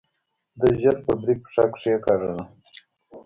ده ژر په بريک پښه کېکاږله.